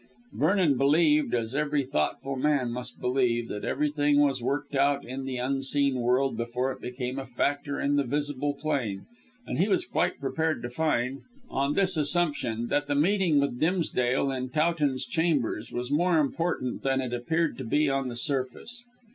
Vernon believed as every thoughtful man must believe that everything was worked out in the unseen world before it became a factor in the visible plane, and he was quite prepared to find, on this assumption, that the meeting with Dimsdale in Towton's chambers was more important than it appeared to be on the surface.